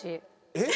えっ！？